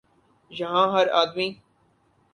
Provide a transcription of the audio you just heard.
یہاں ہر آدمی